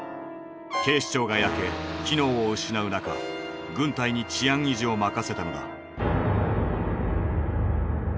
警視庁が焼け機能を失う中軍隊に治安維持を任せたのだ。